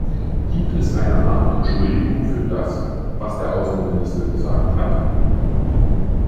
Gibt es eine Art Entschuldigung für das, was der Außenminister gesagt hat?